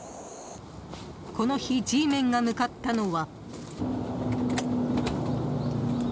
この日、Ｇメンが向かったのは。